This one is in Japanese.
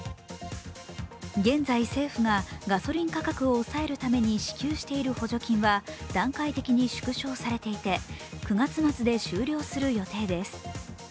現在、政府がガソリン価格を抑えるために支給している補助金は段階的に縮小されていて、９月末で終了する予定です。